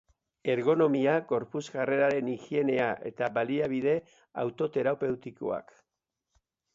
Ergonomia, gorputz jarreraren higienea eta baliabide autoterapeutikoak